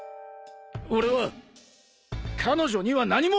俺は彼女には何も！